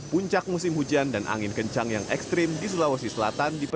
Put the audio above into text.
puncak musim hujan dan angin kencang yang ekstrim di sulawesi selatan